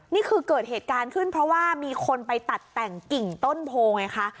นี่คือเกิดเหตุการณ์ขึ้นเพราะว่ามีคนไปตัดแต่งกิ่งต้นโพไงคะ